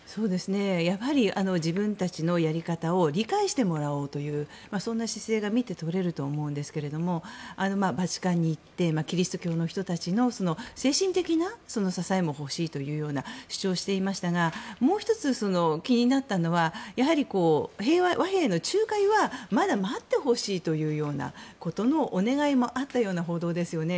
やはり自分たちのやり方を理解してもらおうというそんな姿勢が見て取れると思うんですけどバチカンに行ってキリスト教の人たちの精神的な支えも欲しいというような主張をしていましたがもう１つ、気になったのは和平の仲介はまだ待ってほしいというようなことのお願いもあったという報道ですよね。